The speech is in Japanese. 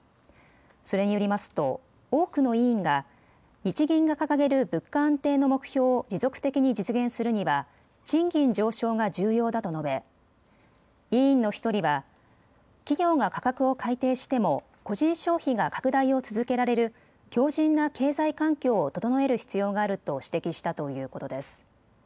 それによりますと多くの委員が日銀が掲げる物価安定の目標を持続的に実現するには賃金上昇が重要だと述べ委員の１人は企業が価格を改定しても個人消費が拡大を続けられる強じんな経済環境を整える必要があると指摘したということです。